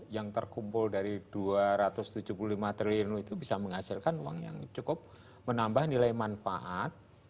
yang terkumpul dari dua ratus tujuh puluh lima triliun itu bisa menghasilkan uang yang cukup menambah nilai manfaat